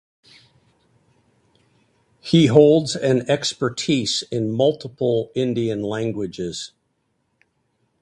He holds an expertise in multiple Indian languages.